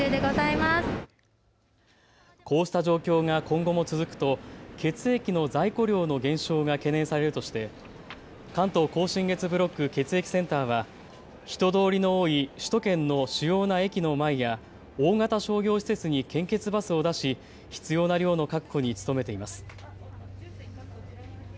こうした状況が今後も続くと血液の在庫量の減少が懸念されるとして関東甲信越ブロック血液センターは人通りの多い首都圏の主要な駅の前や大型商業施設に献血バスを出し必要な量の確保に努めています。